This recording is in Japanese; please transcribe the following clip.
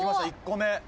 １個目」